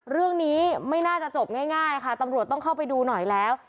เรื่องนี้ไม่น่าจะจบง่ายค่ะตำรวจต้องเข้าไปดูหน่อยแล้ว